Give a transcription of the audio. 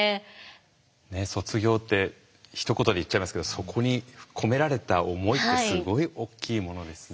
卒業ってひと言で言っちゃいますけどそこに込められた思いってすごいおっきいものですね。